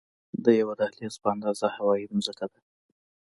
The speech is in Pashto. د یوه دهلیز په اندازه هواره ځمکه ده.